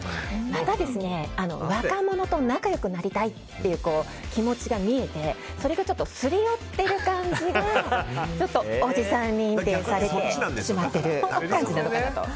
また、若者と仲良くなりたいという気持ちが見えてそれがちょっとすり寄っている感じがおじさん認定されてしまっている感じなのかなと。